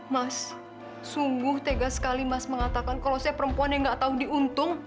mas sungguh tegas sekali mas mengatakan kalau saya perempuan yang gak tahu diuntung